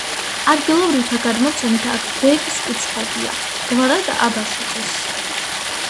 ადგილობრივთა გადმოცემით, აქ ბეგს უცხოვრია, გვარად აბაშიძეს.